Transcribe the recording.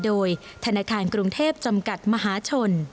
โดยธนาคารกรุงเทพจำกัดมหาชน